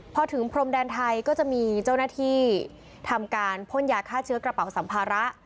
พอถึงพรมแดนไทยก็จะมีเจ้าหน้าที่ทำการพ่นยาฆ่าเชื้อกระเป๋าสัมภาระ